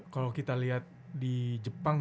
kalau kita lihat di jepang